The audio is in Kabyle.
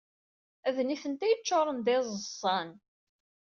D nitni ay yeččuṛen d iẓẓan.